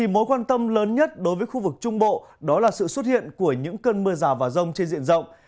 mối quan tâm lớn nhất đối với khu vực trung bộ đó là sự xuất hiện của những cơn mưa rào và rông trên diện rộng